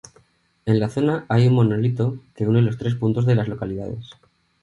En la zona hay un monolito que une los tres puntos de las localidades.